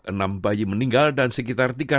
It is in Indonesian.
enam bayi meninggal dan sekitar